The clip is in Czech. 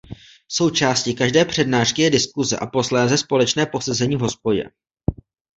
Součástí každé přednášky je diskuse a posléze společné posezení v hospodě.